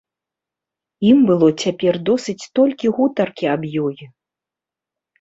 Ім было цяпер досыць толькі гутаркі аб ёй.